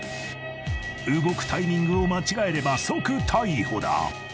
［動くタイミングを間違えれば即逮捕だ］